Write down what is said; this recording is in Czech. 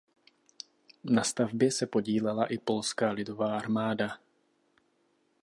Na stavbě se podílela i Polská lidová armáda.